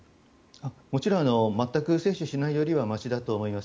もちろん全く接種しないよりはましだと思います。